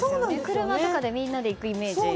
車とかでみんなで行くイメージ。